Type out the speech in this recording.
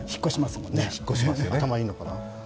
頭いいのかな。